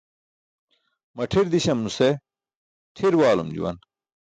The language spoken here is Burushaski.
Maṭʰir dísam nusen ṭʰir waalum juwan.